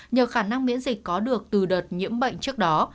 nhờ khả năng miễn dịch có được từ đợt nhiễm bệnh trước đó